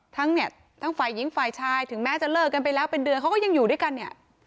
ทั้งเนี่ยทั้งฝ่ายหญิงฝ่ายชายถึงแม้จะเลิกกันไปแล้วเป็นเดือนเขาก็ยังอยู่ด้วยกันเนี่ย